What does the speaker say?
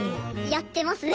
やってますね